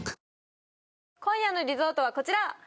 今夜のリゾートはこちら！